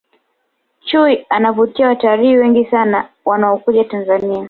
chui anavutia watalii wengi sana wanaokuja tanzania